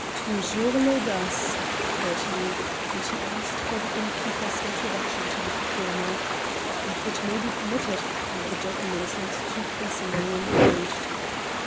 "Toujours l'audace!" thought he, and he asked for the innkeeper's introduction to the performer. "If it may be permitted, and the gentleman is not too pressingly engaged."